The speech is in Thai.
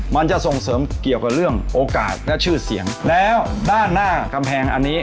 มันจะส่งเสริมเกี่ยวกับเรื่องโอกาสและชื่อเสียงแล้วด้านหน้ากำแพงอันนี้